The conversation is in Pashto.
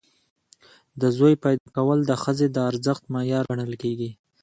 د زوی پیدا کول د ښځې د ارزښت معیار ګڼل کېږي.